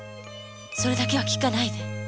それだけは聞かないで。